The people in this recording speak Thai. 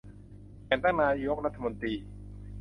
แต่งตั้งนายกรัฐมนตรี